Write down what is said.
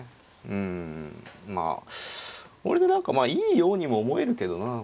うんまあこれで何かまあいいようにも思えるけどなあ。